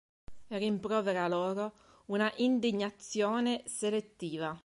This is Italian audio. Rimprovera loro una indignazione selettiva.